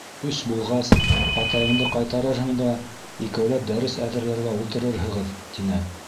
Өс булғас, ағайыңды ҡайтарырһың да, икәүләп дәрес әҙерләргә ултырырһығыҙ, тине.